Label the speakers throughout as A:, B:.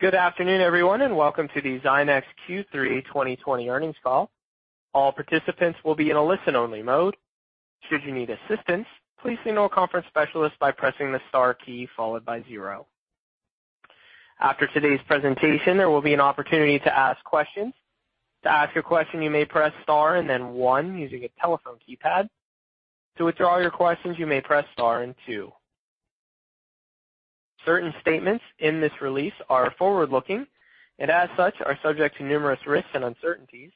A: Good afternoon, everyone, and welcome to the Zynex Q3 2020 earnings call. All participants will be in a listen-only mode. After today's presentation, there will be an opportunity to ask questions. Certain statements in this release are forward-looking, and as such, are subject to numerous risks and uncertainties.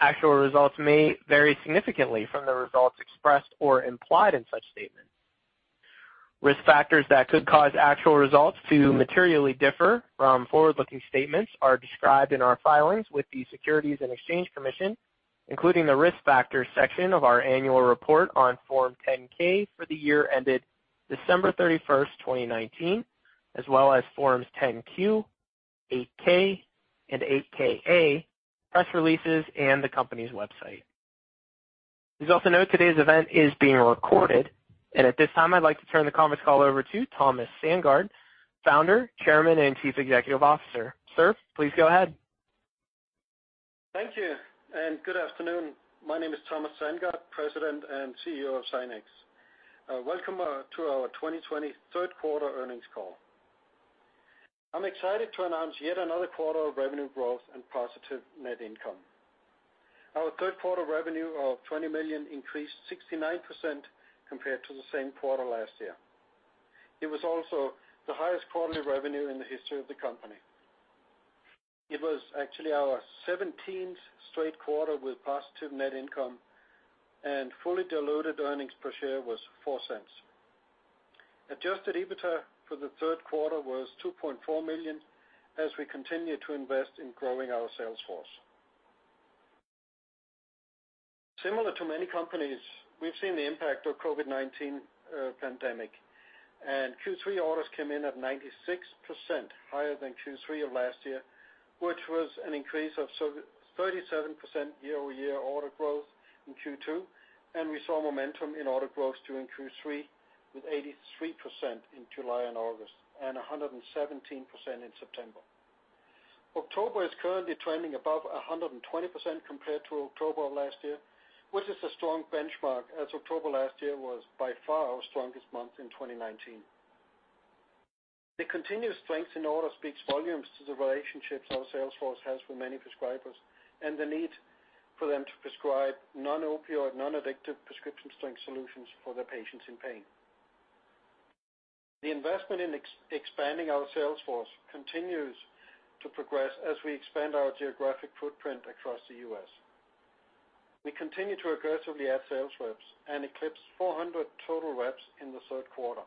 A: Actual results may vary significantly from the results expressed or implied in such statements. Risk factors that could cause actual results to materially differ from forward-looking statements are described in our filings with the Securities and Exchange Commission, including the Risk Factors section of our annual report on Form 10-K for the year ended 31st December, 2019, as well as Forms 10-Q, 8-K, and 8-K/A, press releases, and the company's website. Please also note today's event is being recorded, and at this time I'd like to turn the conference call over to Thomas Sandgaard, Founder, Chairman, and Chief Executive Officer. Sir, please go ahead.
B: Thank you, and good afternoon. My name is Thomas Sandgaard, President and CEO of Zynex. Welcome to our 2020 third quarter earnings call. I'm excited to announce yet another quarter of revenue growth and positive net income. Our third quarter revenue of $20 million increased 69% compared to the same quarter last year. It was also the highest quarterly revenue in the history of the company. It was actually our 17th straight quarter with positive net income, and fully diluted earnings per share was $0.04. Adjusted EBITDA for the third quarter was $2.4 million, as we continue to invest in growing our sales force. Similar to many companies, we've seen the impact of COVID-19 pandemic, and Q3 orders came in at 96% higher than Q3 of last year, which was an increase of 37% year-over-year order growth in Q2, and we saw momentum in order growth during Q3 with 83% in July and August, and 117% in September. October is currently trending above 120% compared to October of last year, which is a strong benchmark as October last year was by far our strongest month in 2019. The continued strength in orders speaks volumes to the relationships our sales force has with many prescribers and the need for them to prescribe non-opioid, non-addictive prescription strength solutions for their patients in pain. The investment in expanding our sales force continues to progress as we expand our geographic footprint across the U.S. We continue to aggressively add sales reps and eclipsed 400 total reps in the third quarter.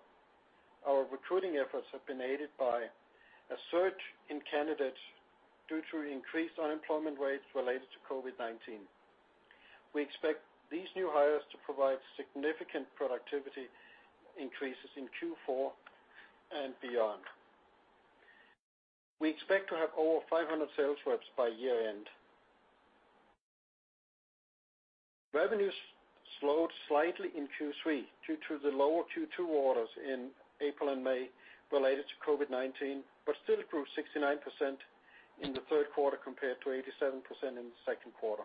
B: Our recruiting efforts have been aided by a surge in candidates due to increased unemployment rates related to COVID-19. We expect these new hires to provide significant productivity increases in Q4 and beyond. We expect to have over 500 sales reps by year-end. Revenues slowed slightly in Q3 due to the lower Q2 orders in April and May related to COVID-19, but still grew 69% in the third quarter compared to 87% in the second quarter.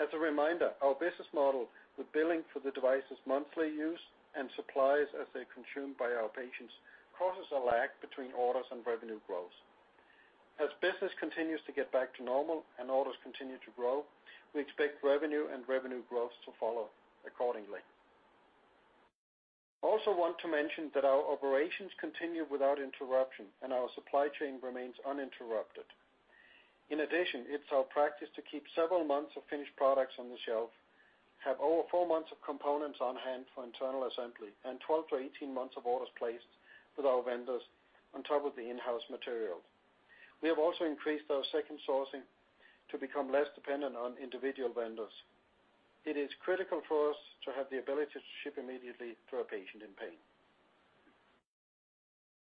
B: As a reminder, our business model with billing for the device's monthly use and supplies as they're consumed by our patients causes a lag between orders and revenue growth. As business continues to get back to normal and orders continue to grow, we expect revenue and revenue growth to follow accordingly. I also want to mention that our operations continue without interruption, and our supply chain remains uninterrupted. It's our practice to keep several months of finished products on the shelf, have over four months of components on-hand for internal assembly, and 12-18 months of orders placed with our vendors on top of the in-house materials. We have also increased our second sourcing to become less dependent on individual vendors. It is critical for us to have the ability to ship immediately to a patient in pain.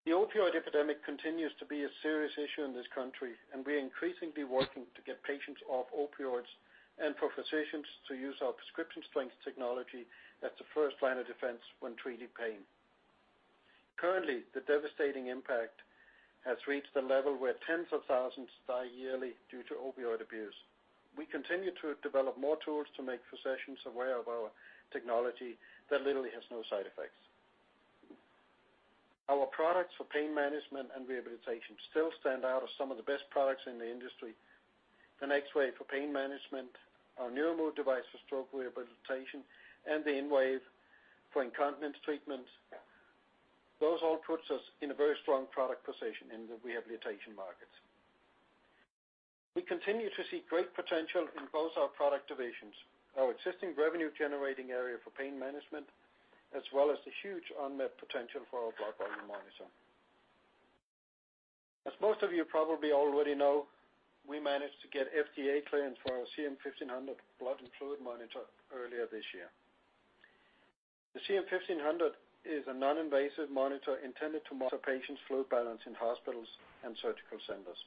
B: The opioid epidemic continues to be a serious issue in this country. We are increasingly working to get patients off opioids and for physicians to use our prescription strength technology as a first line of defense when treating pain. Currently, the devastating impact has reached the level where tens of thousands die yearly due to opioid abuse. We continue to develop more tools to make physicians aware of our technology that literally has no side effects. Our products for pain management and rehabilitation still stand out as some of the best products in the industry. The NexWave for pain management, our NeuroMove device for stroke rehabilitation, and the InWave for incontinence treatment, those all puts us in a very strong product position in the rehabilitation markets. We continue to see great potential in both our product divisions, our existing revenue-generating area for pain management, as well as the huge unmet potential for our blood volume monitor. As most of you probably already know, we managed to get FDA clearance for our CM 1500 blood and fluid monitor earlier this year. The CM-1500 is a non-invasive monitor intended to monitor patients' fluid balance in hospitals and surgical centers.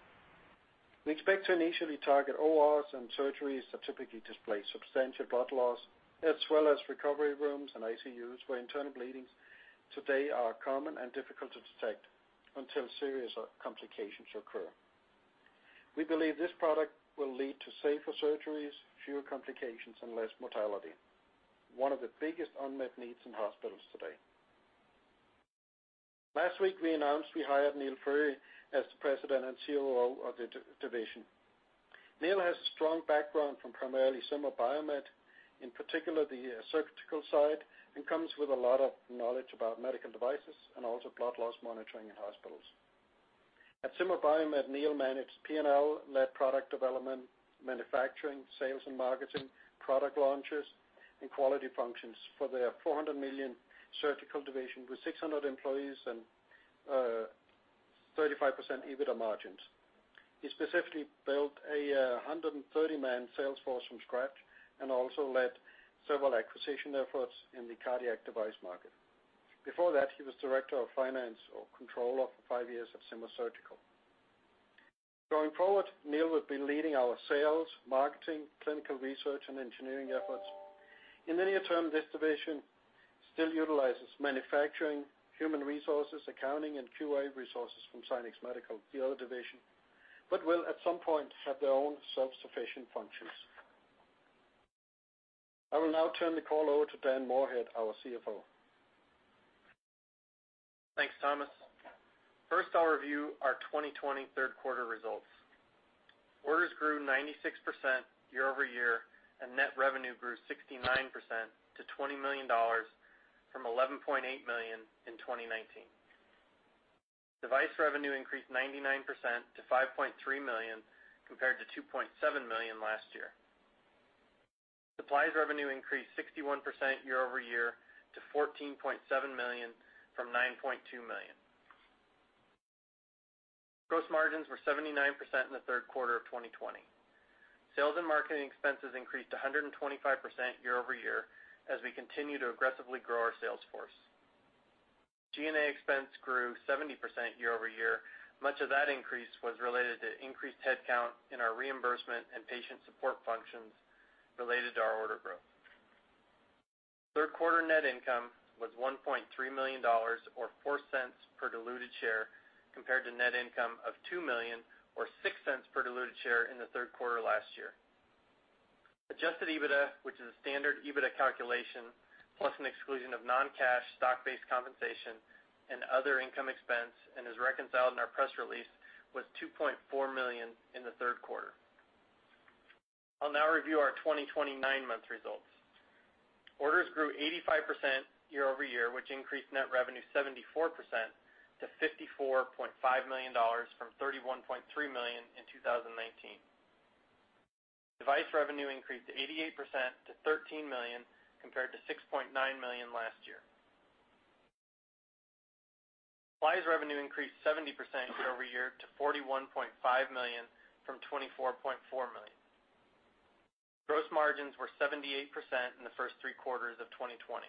B: We expect to initially target ORs and surgeries that typically display substantial blood loss, as well as recovery rooms and ICUs, where internal bleedings today are common and difficult to detect until serious complications occur. We believe this product will lead to safer surgeries, fewer complications, and less mortality, one of the biggest unmet needs in hospitals today. Last week, we announced we hired Neil Friery as the President and COO of the division. Neil has a strong background from primarily Zimmer Biomet, in particular the surgical side, and comes with a lot of knowledge about medical devices and also blood loss monitoring in hospitals. At Zimmer Biomet, Neil managed P&L, led product development, manufacturing, sales and marketing, product launches, and quality functions for their $400 million surgical division with 600 employees and 35% EBITDA margins. He specifically built a 130-man sales force from scratch and also led several acquisition efforts in the cardiac device market. Before that, he was director of finance or controller for 5 years at Zimmer Surgical. Going forward, Neil will be leading our sales, marketing, clinical research, and engineering efforts. In the near term, this division still utilizes manufacturing, human resources, accounting, and QA resources from Zynex Medical, the other division, but will at some point have their own self-sufficient functions. I will now turn the call over to Dan Moorhead, our CFO.
C: Thanks, Thomas. First, I'll review our 2020 third quarter results. Orders grew 96% year over year, and net revenue grew 69% to $20 million from $11.8 million in 2019. Device revenue increased 99% to $5.3 million compared to $2.7 million last year. Supplies revenue increased 61% year over year to $14.7 million from $9.2 million. Gross margins were 79% in the third quarter of 2020. Sales and marketing expenses increased 125% year over year as we continue to aggressively grow our sales force. G&A expense grew 70% year over year. Much of that increase was related to increased headcount in our reimbursement and patient support functions related to our order growth. Third quarter net income was $1.3 million, or $0.04 per diluted share, compared to net income of $2 million or $0.06 per diluted share in the third quarter last year. Adjusted EBITDA, which is a standard EBITDA calculation plus an exclusion of non-cash stock-based compensation and other income expense and is reconciled in our press release, was $2.4 million in the third quarter. I'll now review our 2020 nine-month results. Orders grew 85% year over year, which increased net revenue 74% to $54.5 million from $31.3 million in 2019. Device revenue increased 88% to $13 million compared to $6.9 million last year. Supplies revenue increased 70% year over year to $41.5 million from $24.4 million. Gross margins were 78% in the first three quarters of 2020.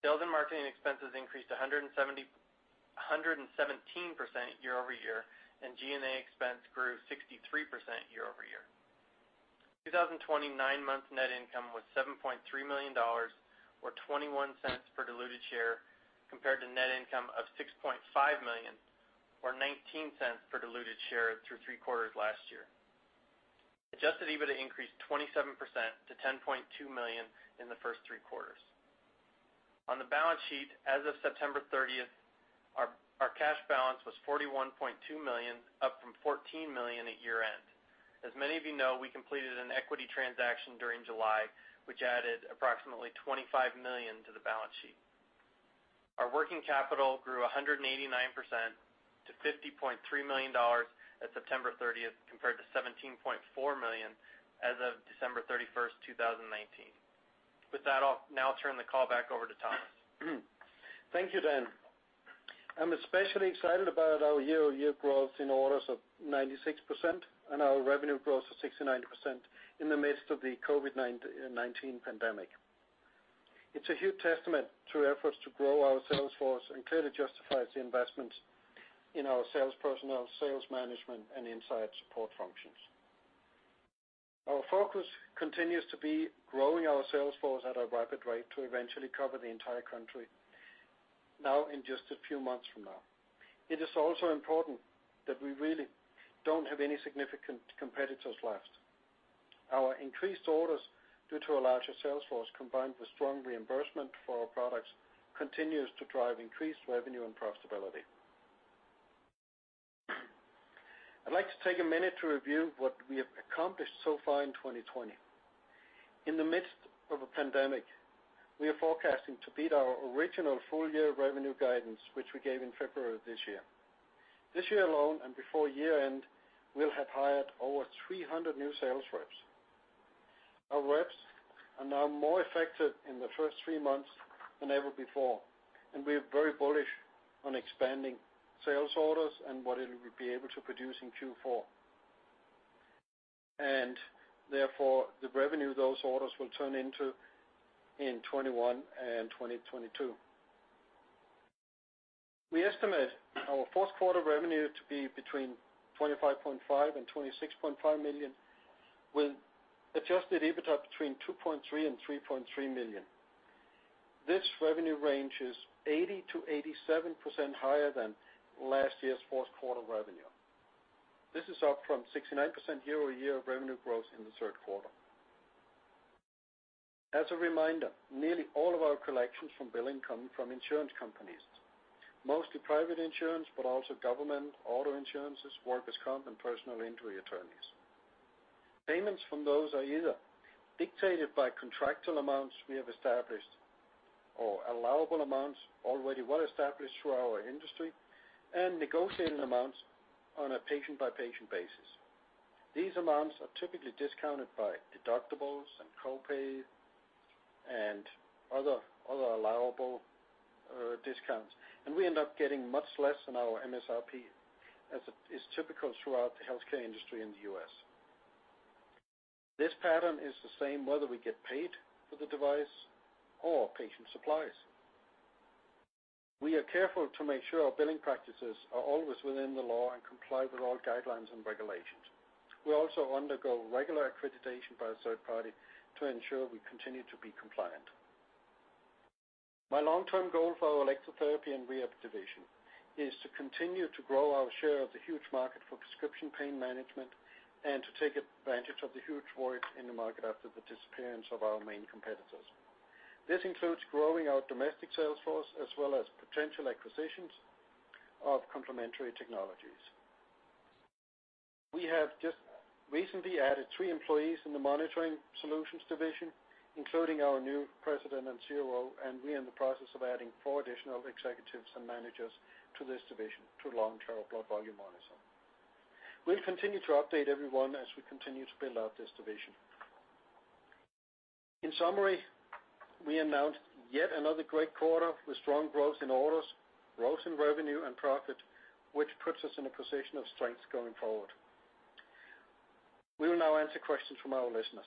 C: Sales and marketing expenses increased 117% year over year, and G&A expense grew 63% year over year. 2020 nine-month net income was $7.3 million, or $0.21 per diluted share, compared to net income of $6.5 million or $0.19 per diluted share through three quarters last year. Adjusted EBITDA increased 27% to $10.2 million in the first three quarters. On the balance sheet as of 30th September, our cash balance was $41.2 million, up from $14 million at year-end. As many of you know, we completed an equity transaction during July, which added approximately $25 million to the balance sheet. Our working capital grew 189% to $50.3 million at 30th September compared to $17.4 million as of 31st December, 2019. With that, I'll now turn the call back over to Thomas.
B: Thank you, Dan. I'm especially excited about our year-over-year growth in orders of 96% and our revenue growth of 69% in the midst of the COVID-19 pandemic. It's a huge testament to efforts to grow our sales force and clearly justifies the investment in our sales personnel, sales management, and inside support functions. Our focus continues to be growing our sales force at a rapid rate to eventually cover the entire country now in just a few months from now. It is also important that we really don't have any significant competitors left. Our increased orders due to a larger sales force, combined with strong reimbursement for our products, continues to drive increased revenue and profitability. I'd like to take a minute to review what we have accomplished so far in 2020. In the midst of a pandemic, we are forecasting to beat our original full-year revenue guidance, which we gave in February this year. This year alone and before year-end, we'll have hired over 300 new sales reps. Our reps are now more effective in the first three months than ever before, and we are very bullish on expanding sales orders and what it will be able to produce in Q4. Therefore, the revenue those orders will turn into in 2021 and 2022. We estimate our fourth quarter revenue to be between $25.5 million and $26.5 million, with adjusted EBITDA between $2.3 million and $3.3 million. This revenue range is 80%-87% higher than last year's fourth quarter revenue. This is up from 69% year-over-year revenue growth in the third quarter. As a reminder, nearly all of our collections from billing come from insurance companies. Mostly private insurance, but also government, auto insurances, workers' comp, and personal injury attorneys. Payments from those are either dictated by contractual amounts we have established or allowable amounts already well-established through our industry and negotiated amounts on a patient-by-patient basis. These amounts are typically discounted by deductibles and co-pays and other allowable discounts. We end up getting much less than our MSRP, as is typical throughout the healthcare industry in the U.S. This pattern is the same whether we get paid for the device or patient supplies. We are careful to make sure our billing practices are always within the law and comply with all guidelines and regulations. We also undergo regular accreditation by a third party to ensure we continue to be compliant. My long-term goal for our electrotherapy and rehab division is to continue to grow our share of the huge market for prescription pain management and to take advantage of the huge void in the market after the disappearance of our main competitors. This includes growing our domestic sales force, as well as potential acquisitions of complementary technologies. We have just recently added three employees in the monitoring solutions division, including our new President and COO, Neil Friery, and we are in the process of adding four additional executives and managers to this division to long-term blood volume monitor. We'll continue to update everyone as we continue to build out this division. In summary, we announced yet another great quarter with strong growth in orders, growth in revenue, and profit, which puts us in a position of strength going forward. We will now answer questions from our listeners.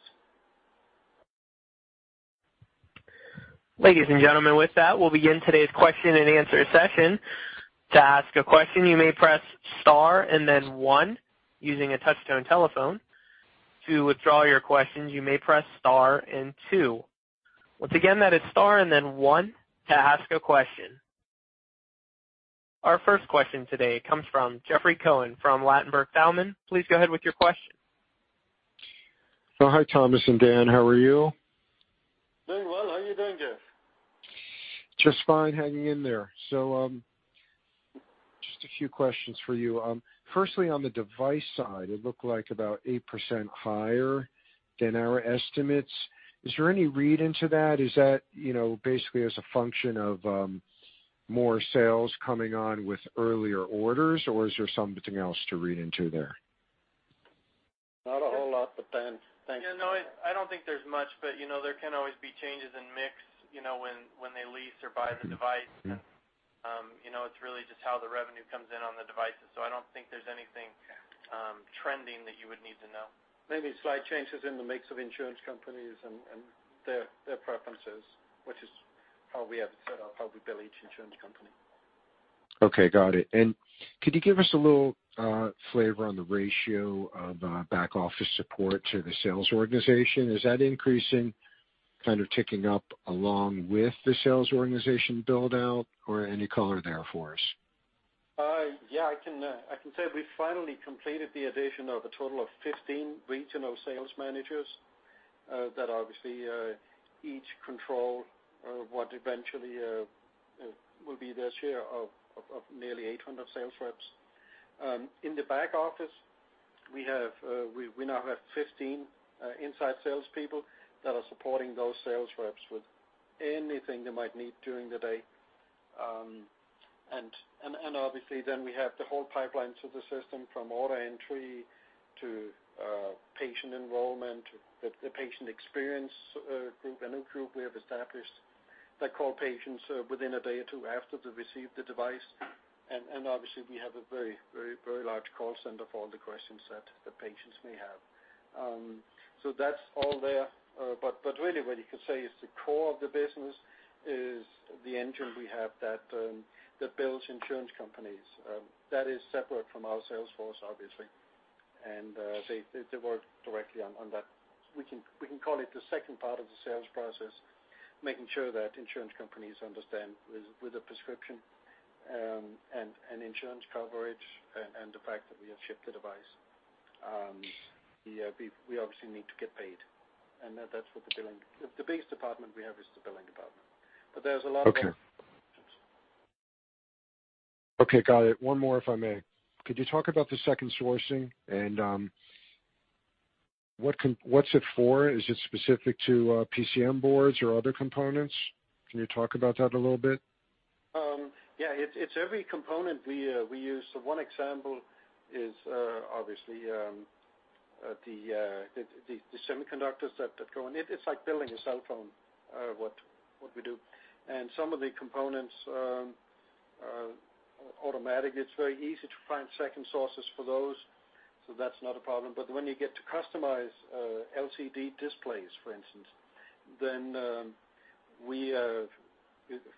A: Ladies and gentlemen, with that, we'll begin today's question and answer session. Our first question today comes from Jeffrey Cohen from Ladenburg Thalmann. Please go ahead with your question.
D: Oh, hi, Thomas and Dan. How are you?
B: Doing well. How are you doing, Jeffrey?
D: Just fine. Hanging in there. Just a few questions for you. Firstly, on the device side, it looked like about 8% higher than our estimates. Is there any read into that? Is that basically as a function of more sales coming on with earlier orders, or is there something else to read into there?
B: Not a whole lot, but Dan-
C: Yeah, no, I don't think there's much, but there can always be changes in mix, when they lease or buy the device. It's really just how the revenue comes in on the devices. I don't think there's anything trending that you would need to know.
B: Maybe slight changes in the mix of insurance companies and their preferences, which is how we have it set up, how we bill each insurance company.
D: Okay, got it. Could you give us a little flavor on the ratio of back office support to the sales organization? Is that increasing, kind of ticking up along with the sales organization build-out? Any color there for us?
B: Yeah, I can say we finally completed the addition of a total of 15 regional sales managers, that obviously, each control what eventually will be their share of nearly 800 sales reps. In the back office, we now have 15 inside salespeople that are supporting those sales reps with anything they might need during the day. Obviously, then we have the whole pipeline to the system, from order entry to patient enrollment, the patient experience group, a new group we have established that call patients within a day or two after they receive the device. Obviously we have a very large call center for all the questions that the patients may have. That's all there. Really what you can say is the core of the business is the engine we have that bills insurance companies. That is separate from our sales force, obviously. They work directly on that. We can call it the second part of the sales process, making sure that insurance companies understand with a prescription and insurance coverage and the fact that we have shipped the device. We obviously need to get paid. The biggest department we have is the billing department.
D: Okay. Okay, got it. One more, if I may. Could you talk about the second sourcing and what's it for? Is it specific to PCB boards or other components? Can you talk about that a little bit?
B: Yeah. It's every component we use. One example is, obviously, the semiconductors that go in. It's like building a cell phone, what we do. Some of the components are automatic. It's very easy to find second sources for those, that's not a problem. When you get to customized LCD displays, for instance, then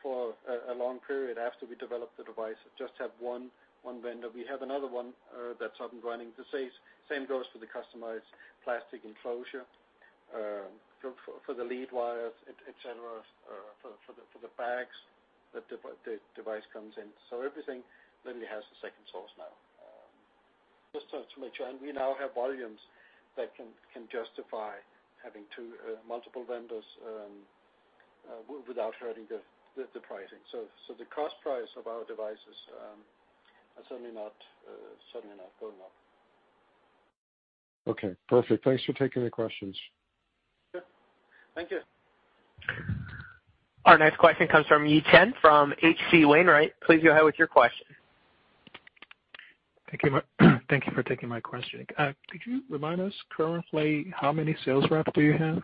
B: for a long period after we developed the device, just have one vendor. We have another one that's up and running. The same goes for the customized plastic enclosure, for the lead wires, et cetera, for the bags the device comes in. Everything literally has a second source now. Just to make sure. We now have volumes that can justify having two multiple vendors without hurting the pricing. The cost price of our devices are certainly not going up.
D: Okay, perfect. Thanks for taking the questions.
B: Sure. Thank you.
A: Our next question comes from Yi Chen from H.C. Wainwright. Please go ahead with your question.
E: Thank you for taking my question. Could you remind us currently, how many sales reps do you have?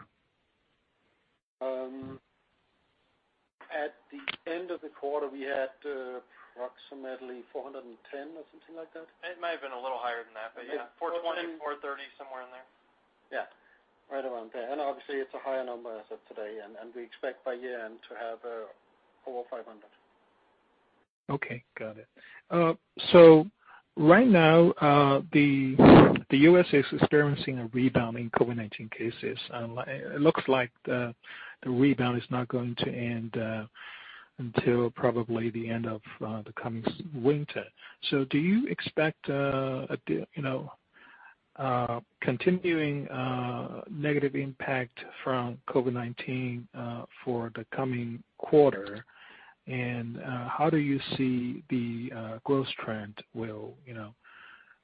B: At the end of the quarter, we had approximately 410 or something like that.
C: It might have been a little higher than that, but yeah, 420, $430, somewhere in there.
B: Yeah. Right around there. Obviously, it's a higher number as of today, and we expect by year-end to have four or 500.
E: Okay. Got it. Right now, the U.S. is experiencing a rebound in COVID-19 cases. It looks like the rebound is not going to end until probably the end of the coming winter. Do you expect a continuing negative impact from COVID-19 for the coming quarter? How do you see the growth trend will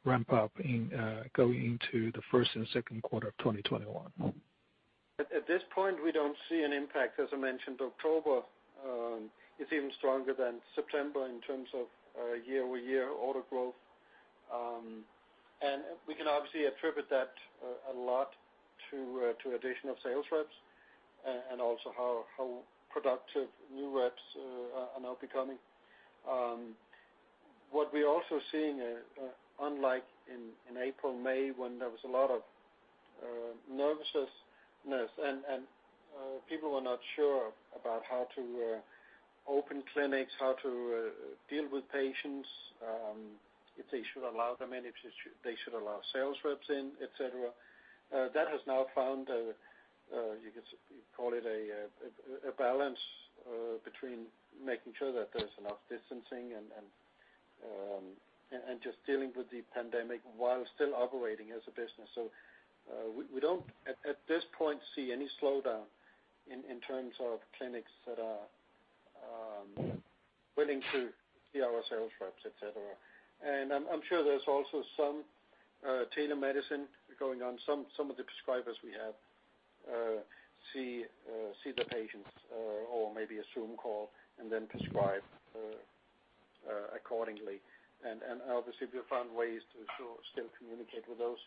E: ramp up going into the first and second quarter of 2021?
B: At this point, we don't see an impact. As I mentioned, October is even stronger than September in terms of year-over-year order growth. We can obviously attribute that a lot to addition of sales reps and also how productive new reps are now becoming. What we're also seeing, unlike in April, May, when there was a lot of nervousness and people were not sure about how to open clinics, how to deal with patients, if they should allow them in, if they should allow sales reps in, et cetera. That has now found, you could call it a balance between making sure that there's enough distancing and just dealing with the pandemic while still operating as a business. We don't at this point, see any slowdown in terms of clinics that are willing to see our sales reps, et cetera. I'm sure there's also some telemedicine going on. Some of the prescribers we have see the patients or maybe a Zoom call and then prescribe accordingly. Obviously, we found ways to still communicate with those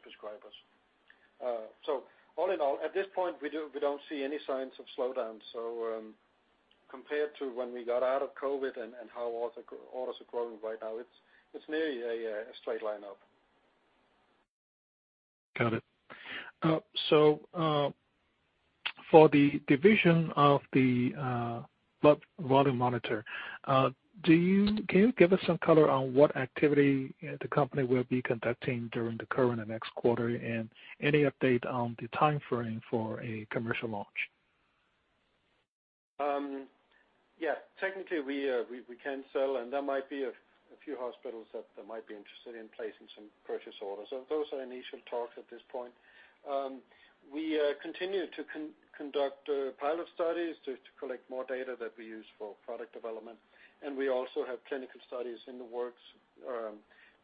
B: prescribers. All in all, at this point, we don't see any signs of slowdown. Compared to when we got out of COVID and how orders are growing right now, it's nearly a straight line up.
E: Got it. For the division of the blood volume monitor, can you give us some color on what activity the company will be conducting during the current and next quarter, and any update on the timeframe for a commercial launch?
B: Yeah. Technically, we can sell, there might be a few hospitals that might be interested in placing some purchase orders. Those are initial talks at this point. We continue to conduct pilot studies to collect more data that we use for product development, we also have clinical studies in the works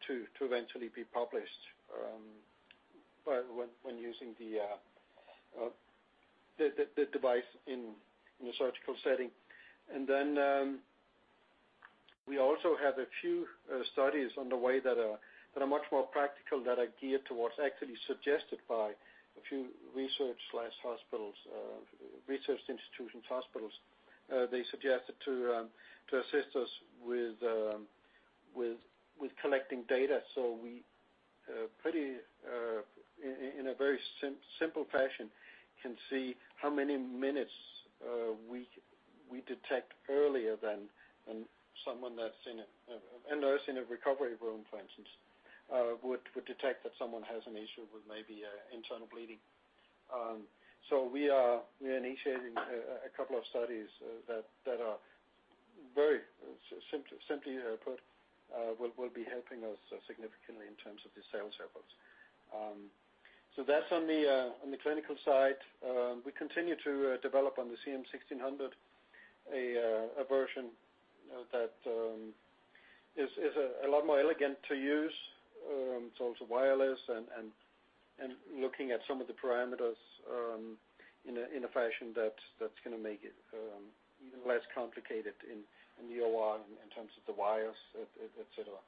B: to eventually be published when using the device in the surgical setting. We also have a few studies on the way that are much more practical that are geared towards actually suggested by a few research institutions, hospitals. They suggested to assist us with collecting data. We, in a very simple fashion, can see how many minutes we detect earlier than a nurse in a recovery room, for instance, would detect that someone has an issue with maybe internal bleeding. We are initiating a couple of studies that are very simply put will be helping us significantly in terms of the sales efforts. That's on the clinical side. We continue to develop on the CM-1600, a version that is a lot more elegant to use. It's also wireless and looking at some of the parameters in a fashion that's going to make it even less complicated in the OR in terms of the wires, et cetera.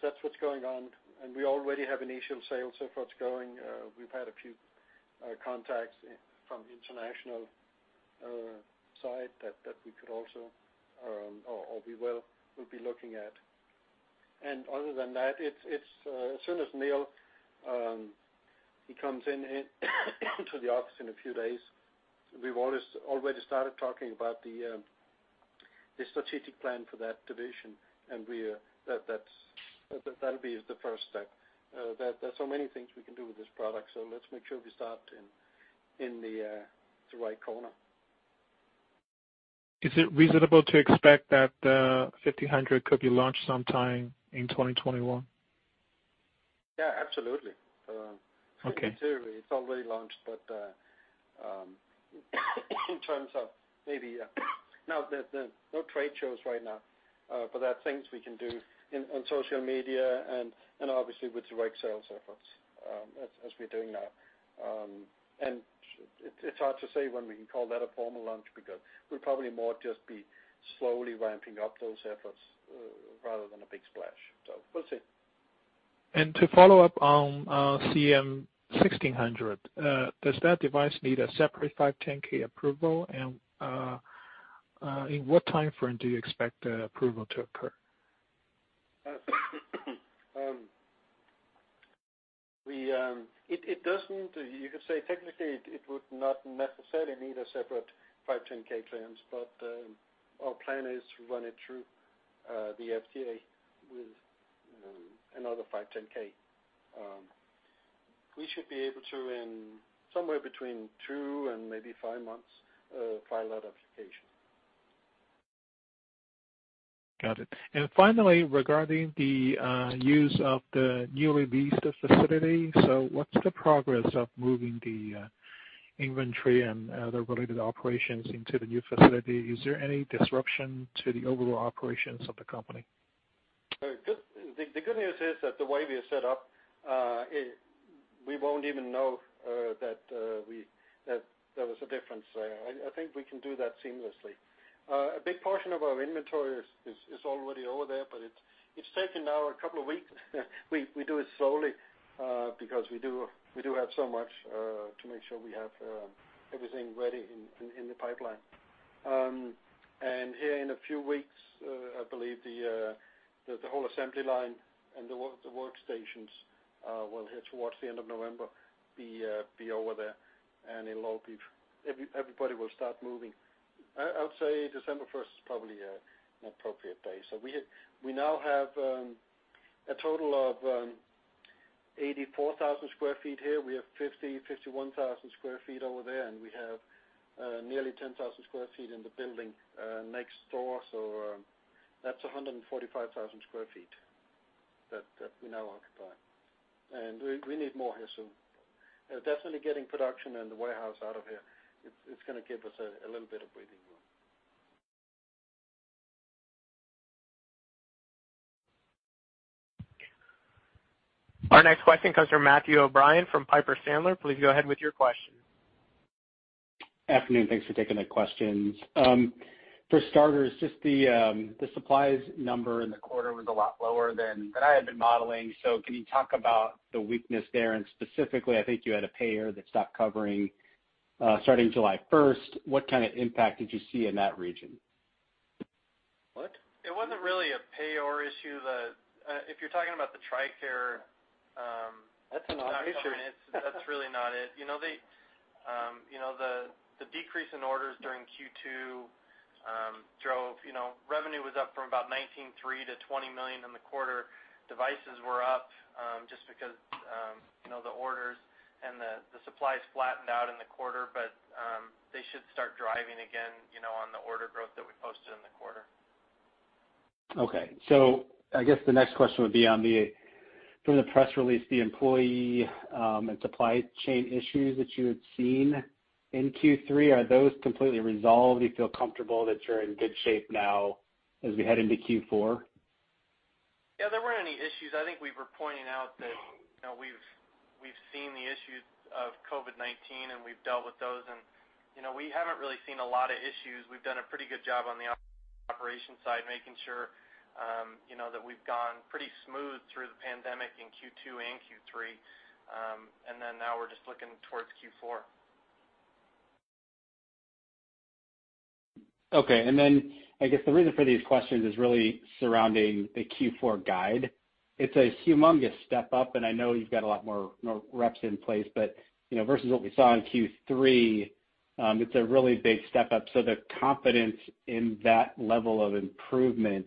B: That's what's going on. We already have initial sales efforts going. We've had a few contacts from the international side that we could also, or we will be looking at. Other than that, as soon as Neil comes into the office in a few days, we've already started talking about the strategic plan for that division and that'll be the first step. There's so many things we can do with this product, so let's make sure we start in the right corner.
E: Is it reasonable to expect that the CM-1500 could be launched sometime in 2021?
B: Yeah, absolutely.
E: Okay.
B: Theoretically, it's already launched, but in terms of maybe, now there's no trade shows right now, but there are things we can do on social media and obviously with the right sales efforts as we're doing now. It's hard to say when we can call that a formal launch because we'll probably more just be slowly ramping up those efforts rather than a big splash. We'll see.
E: To follow up on CM-1600, does that device need a separate 510 approval? In what timeframe do you expect approval to occur?
B: You could say, technically, it would not necessarily need a separate 510 clearance. Our plan is to run it through the FDA with another 510. We should be able to, in somewhere between two and maybe five months, file that application.
E: Got it. Finally, regarding the use of the newly leased facility. What's the progress of moving the inventory and other related operations into the new facility? Is there any disruption to the overall operations of the company?
B: The good news is that the way we are set up, we won't even know that there was a difference there. I think we can do that seamlessly. A big portion of our inventory is already over there, but it's taking now a couple of weeks. We do it slowly because we do have so much to make sure we have everything ready in the pipeline. Here in a few weeks, I believe the whole assembly line and the workstations will, towards the end of November, be over there and everybody will start moving. I would say December 1st is probably an appropriate day. We now have a total of 84,000 sq ft here. We have 50,000, 51,000 sq ft over there, and we have nearly 10,000 sq ft in the building next door. That's 145,000 sq ft that we now occupy. We need more here soon. Definitely getting production and the warehouse out of here, it's going to give us a little bit of breathing room.
A: Our next question comes from Matthew O'Brien from Piper Sandler. Please go ahead with your question.
F: Afternoon, thanks for taking the questions. For starters, just the supplies number in the quarter was a lot lower than I had been modeling. Can you talk about the weakness there, and specifically, I think you had a payer that stopped covering starting 1st July. What kind of impact did you see in that region?
B: What?
C: It wasn't really a payer issue. If you're talking about the TRICARE-
B: That's an issue.
C: that's really not it. The decrease in orders during Q2. Revenue was up from about $19.3 million to $20 million in the quarter. Devices were up just because the orders and the supplies flattened out in the quarter. They should start driving again on the order growth that we posted in the quarter.
F: Okay. I guess the next question would be on the, from the press release, the employee and supply chain issues that you had seen in Q3. Are those completely resolved? Do you feel comfortable that you're in good shape now as we head into Q4?
C: Yeah, there weren't any issues. I think we were pointing out that we've seen the issues of COVID-19, and we've dealt with those and we haven't really seen a lot of issues. We've done a pretty good job on the operation side, making sure that we've gone pretty smooth through the pandemic in Q2 and Q3. Now we're just looking towards Q4.
F: Okay. I guess the reason for these questions is really surrounding the Q4 guide. It's a humongous step up, and I know you've got a lot more reps in place, but versus what we saw in Q3, it's a really big step up. The confidence in that level of improvement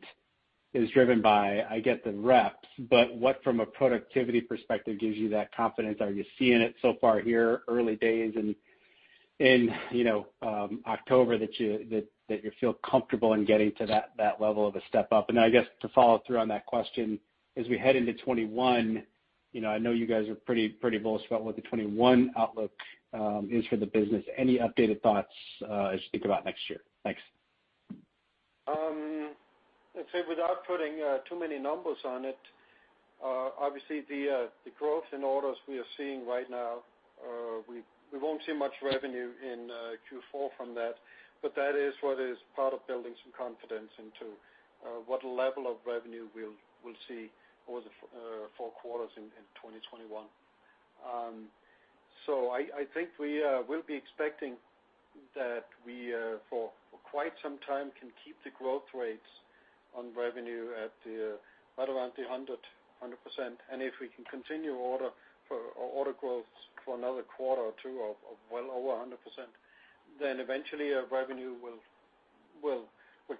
F: is driven by, I get the reps, but what from a productivity perspective gives you that confidence? Are you seeing it so far here, early days in October, that you feel comfortable in getting to that level of a step up? I guess to follow through on that question, as we head into 2021, I know you guys are pretty bullish about what the 2021 outlook is for the business. Any updated thoughts as you think about next year? Thanks.
B: I'd say without putting too many numbers on it. Obviously, the growth in orders we are seeing right now, we won't see much revenue in Q4 from that, but that is what is part of building some confidence into what level of revenue we'll see over the four quarters in 2021. I think we will be expecting that we for quite some time can keep the growth rates on revenue at around the 100%. If we can continue order growths for another quarter or two of well over 100%, then eventually our revenue will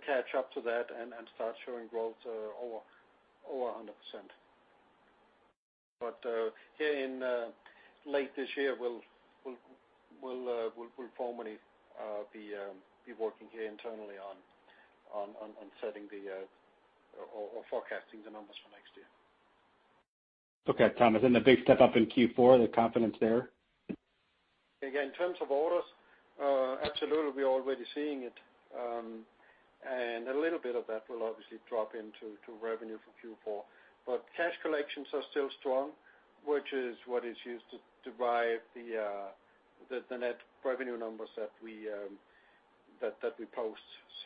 B: catch up to that and start showing growth over 100%. Here in late this year, we'll formally be working here internally on setting or forecasting the numbers for next year.
F: Okay, Thomas, the big step up in Q4, the confidence there?
B: Again, in terms of orders, absolutely, we're already seeing it. A little bit of that will obviously drop into revenue for Q4. Cash collections are still strong, which is what is used to derive the net revenue numbers that we post.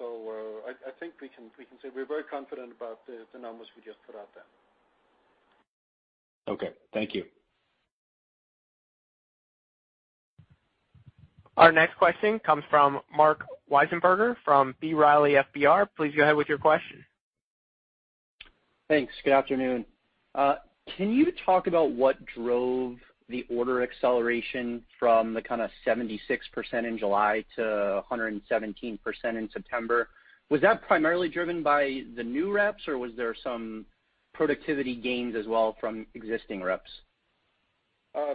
B: I think we can say we're very confident about the numbers we just put out there.
F: Okay. Thank you.
A: Our next question comes from Marc Wiesenberger from B. Riley FBR. Please go ahead with your question.
G: Thanks. Good afternoon. Can you talk about what drove the order acceleration from the kind of 76% in July to 117% in September? Was that primarily driven by the new reps, or was there some productivity gains as well from existing reps?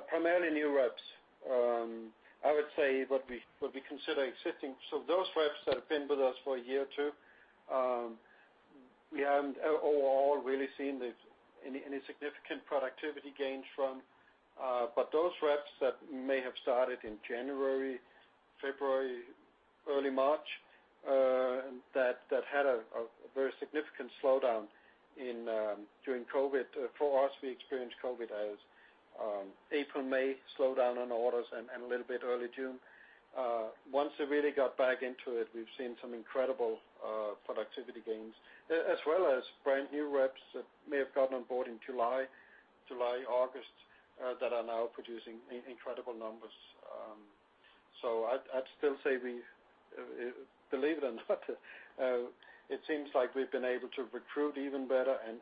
B: Primarily new reps. I would say what we consider existing, so those reps that have been with us for a year or two, we haven't overall really seen any significant productivity gains from. Those reps that may have started in January, February, early March, that had a very significant slowdown during COVID. For us, we experienced COVID as April, May slowdown on orders and a little bit early June. Once they really got back into it, we've seen some incredible productivity gains, as well as brand new reps that may have gotten on board in July, August, that are now producing incredible numbers. I'd still say we, believe it or not, it seems like we've been able to recruit even better and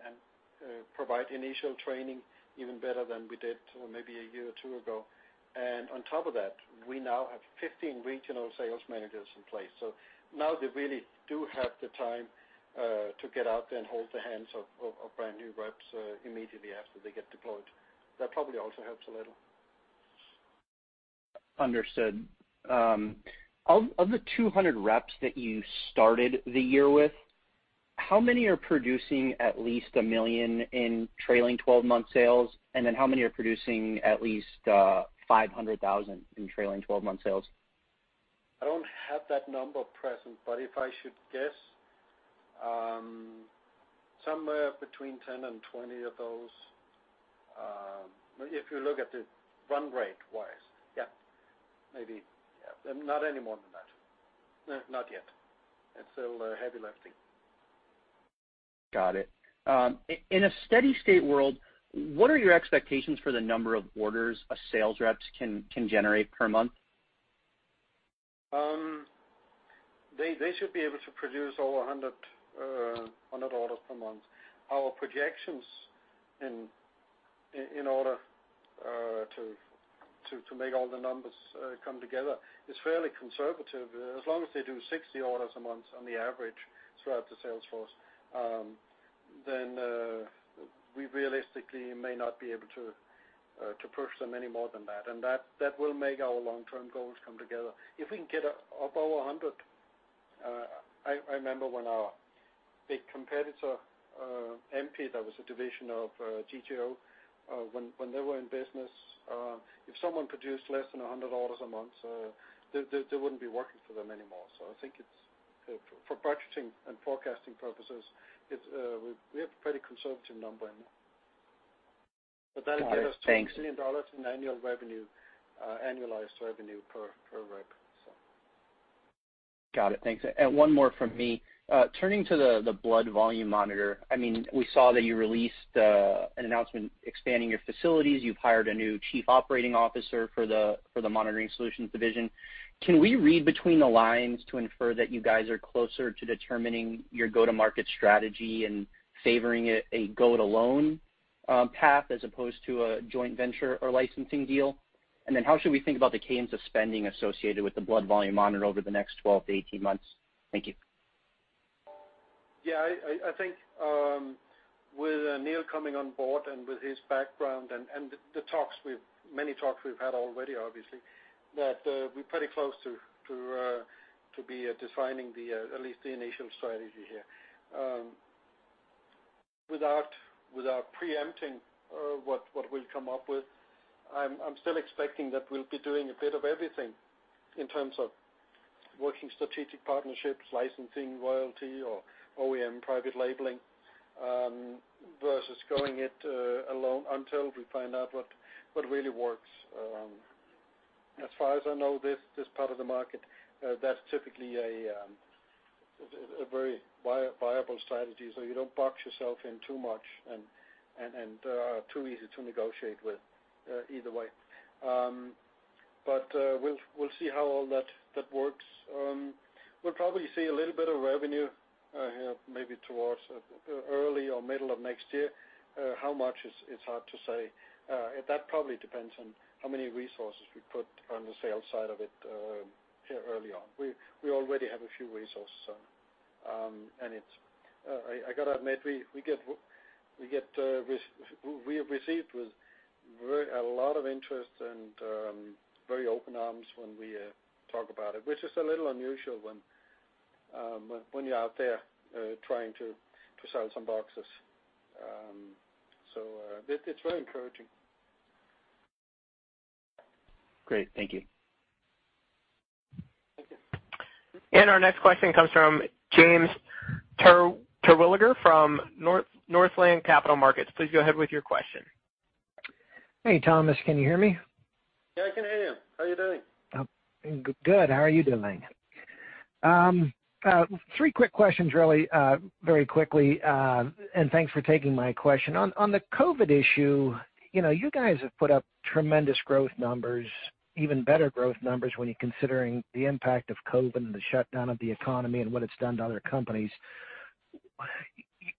B: provide initial training even better than we did maybe a year or two ago. On top of that, we now have 15 regional sales managers in place. Now they really do have the time to get out there and hold the hands of brand new reps immediately after they get deployed. That probably also helps a little.
G: Understood. Of the 200 reps that you started the year with, how many are producing at least $1 million in trailing 12-month sales? How many are producing at least $500,000 in trailing 12-month sales?
B: I don't have that number present, but if I should guess, somewhere between 10 and 20 of those. If you look at it run rate wise, yeah. Maybe. Not any more than that. Not yet. It's still heavy lifting.
G: Got it. In a steady state world, what are your expectations for the number of orders a sales rep can generate per month?
B: They should be able to produce over 100 orders per month. Our projections in order to make all the numbers come together is fairly conservative. As long as they do 60 orders a month on the average throughout the sales force, then we realistically may not be able to push them any more than that. That will make our long-term goals come together. If we can get above 100, I remember when our big competitor, Empi, that was a division of DJO, when they were in business, if someone produced less than 100 orders a month, they wouldn't be working for them anymore. I think for budgeting and forecasting purposes, we have a pretty conservative number in there.
G: Got it. Thanks.
B: That'll give us $2 million in annual revenue, annualized revenue per rep, so.
G: Got it. Thanks. One more from me. Turning to the blood volume monitor. We saw that you released an announcement expanding your facilities. You've hired a new chief operating officer for the Monitoring Solutions Division. Can we read between the lines to infer that you guys are closer to determining your go-to-market strategy and favoring a go-it-alone path as opposed to a joint venture or licensing deal? How should we think about the cadence of spending associated with the blood volume monitor over the next 12-18 months? Thank you.
B: I think with Neil coming on board and with his background and the many talks we've had already, obviously, that we're pretty close to be defining at least the initial strategy here. Without preempting what we'll come up with, I'm still expecting that we'll be doing a bit of everything in terms of working strategic partnerships, licensing royalty or OEM private labeling, versus going it alone until we find out what really works. As far as I know, this part of the market, that's typically a very viable strategy, so you don't box yourself in too much and are too easy to negotiate with, either way. We'll see how all that works. We'll probably see a little bit of revenue maybe towards early or middle of next year. How much, it's hard to say. That probably depends on how many resources we put on the sales side of it here early on. We already have a few resources. I've got to admit, we have received a lot of interest and very open arms when we talk about it, which is a little unusual when you're out there trying to sell some boxes. It's very encouraging.
G: Great. Thank you.
A: Our next question comes from James Terwilliger from Northland Capital Markets. Please go ahead with your question.
H: Hey, Thomas, can you hear me?
B: Yeah, I can hear you. How are you doing?
H: Good. How are you doing? Three quick questions really, very quickly. Thanks for taking my question. On the COVID issue, you guys have put up tremendous growth numbers, even better growth numbers when you're considering the impact of COVID and the shutdown of the economy and what it's done to other companies.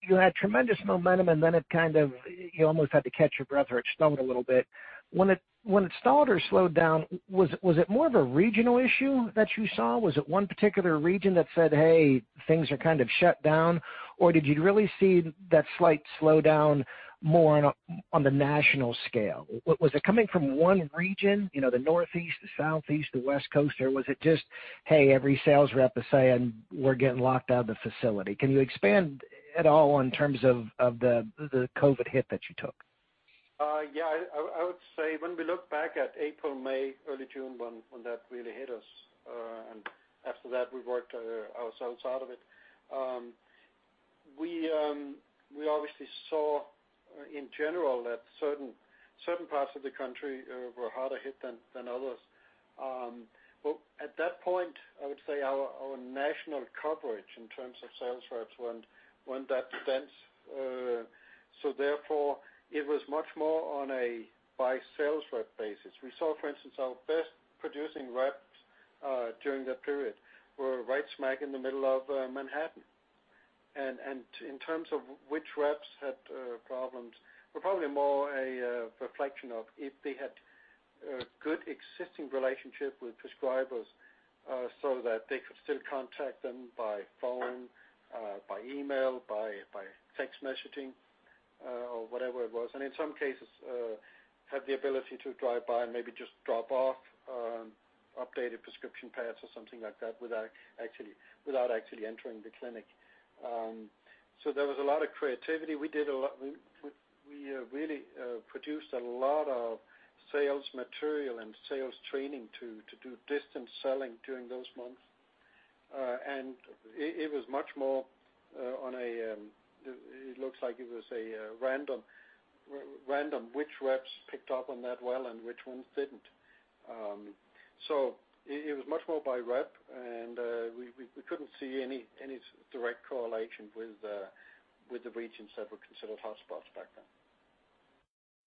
H: You had tremendous momentum. It kind of, you almost had to catch your breath or it stalled a little bit. When it stalled or slowed down, was it more of a regional issue that you saw? Was it one particular region that said, "Hey, things are kind of shut down"? Did you really see that slight slowdown more on the national scale? Was it coming from one region, the Northeast, the Southeast, the West Coast, or was it just, hey, every sales rep is saying, "We're getting locked out of the facility." Can you expand at all in terms of the COVID hit that you took?
B: Yeah. I would say when we look back at April, May, early June, when that really hit us, after that, we worked ourselves out of it. We obviously saw in general that certain parts of the country were harder hit than others. At that point, I would say our national coverage in terms of sales reps weren't that dense. Therefore, it was much more on a by sales rep basis. We saw, for instance, our best producing reps during that period were right smack in the middle of Manhattan. In terms of which reps had problems, were probably more a reflection of if they had a good existing relationship with prescribers, so that they could still contact them by phone, by email, by text messaging, or whatever it was. In some cases, had the ability to drive by and maybe just drop off updated prescription pads or something like that without actually entering the clinic. There was a lot of creativity. We really produced a lot of sales material and sales training to do distance selling during those months. It was much more on a, it looks like it was a random, which reps picked up on that well and which ones didn't. It was much more by rep, and we couldn't see any direct correlation with the regions that were considered hotspots back then.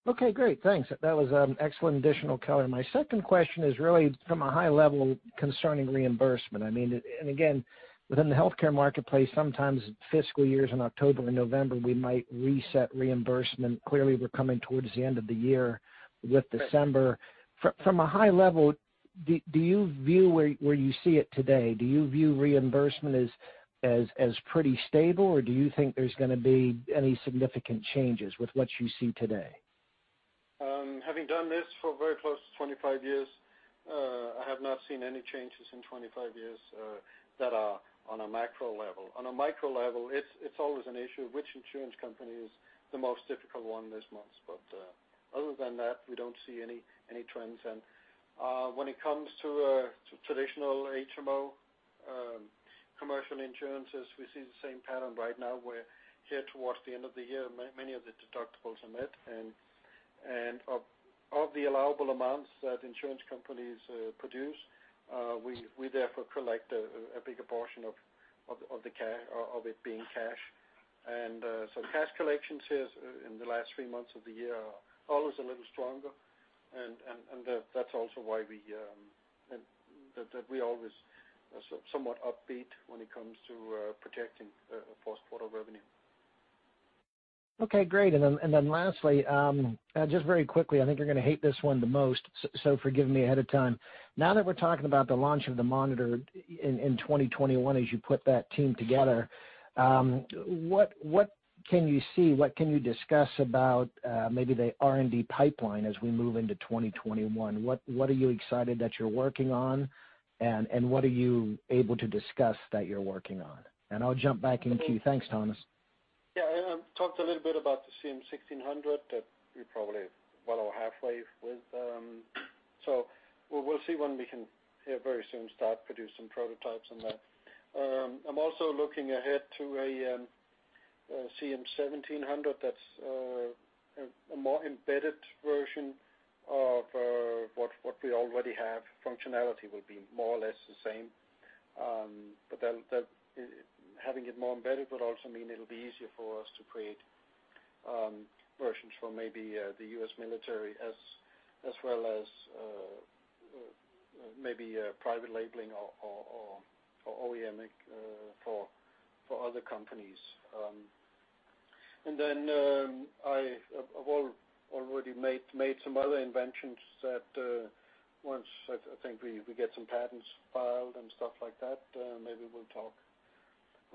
H: Okay, great. Thanks. That was excellent additional color. My second question is really from a high level concerning reimbursement. Again, within the healthcare marketplace, sometimes fiscal years in October and November, we might reset reimbursement. Clearly, we're coming towards the end of the year with December. From a high level, where you see it today, do you view reimbursement as pretty stable, or do you think there's going to be any significant changes with what you see today?
B: Having done this for very close to 25 years, I have not seen any changes in 25 years that are on a macro level. On a micro level, it's always an issue of which insurance company is the most difficult one this month. Other than that, we don't see any trends. When it comes to traditional HMO commercial insurances, we see the same pattern right now, where here towards the end of the year, many of the deductibles are met. Of the allowable amounts that insurance companies produce, we therefore collect a bigger portion of it being cash. Cash collections here in the last three months of the year are always a little stronger. That's also why that we always are somewhat upbeat when it comes to projecting fourth quarter revenue.
H: Okay, great. Lastly, just very quickly, I think you're going to hate this one the most, so forgive me ahead of time. Now that we're talking about the launch of the monitor in 2021, as you put that team together, what can you see, what can you discuss about maybe the R&D pipeline as we move into 2021? What are you excited that you're working on, and what are you able to discuss that you're working on? I'll jump back in queue. Thanks, Thomas.
B: I talked a little bit about the CM-1600 that we're probably well over halfway with. We'll see when we can here very soon start producing prototypes on that. I'm also looking ahead to a CM-1700 that's a more embedded version of what we already have. Functionality will be more or less the same. Having it more embedded would also mean it'll be easier for us to create versions for maybe the US military as well as maybe private labeling or OEM for other companies. I've already made some other inventions that once I think we get some patents filed and stuff like that, maybe we'll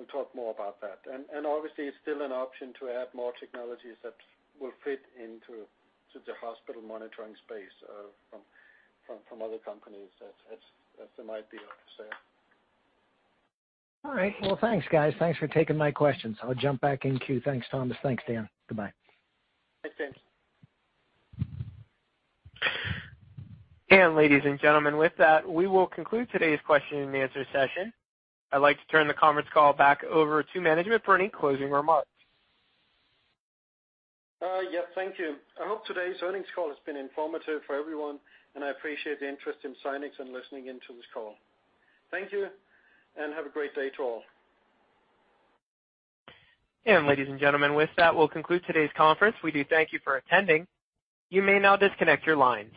B: talk more about that. Obviously, it's still an option to add more technologies that will fit into the hospital monitoring space from other companies. That's the idea.
H: All right. Well, thanks, guys. Thanks for taking my questions. I'll jump back in queue. Thanks, Thomas. Thanks, Dan. Goodbye.
B: Thanks, James.
A: Ladies and gentlemen, with that, we will conclude today's question and answer session. I'd like to turn the conference call back over to management for any closing remarks.
B: Yes. Thank you. I hope today's earnings call has been informative for everyone, and I appreciate the interest in Zynex and listening in to this call. Thank you, and have a great day to all.
A: Ladies and gentlemen, with that, we'll conclude today's conference. We do thank you for attending. You may now disconnect your line.